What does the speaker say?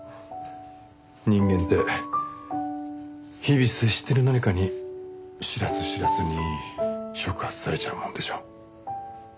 人間って日々接してる何かに知らず知らずに触発されちゃうもんでしょ。